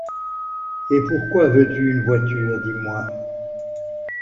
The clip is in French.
Et pourquoi veux-tu une voiture, dis-moi?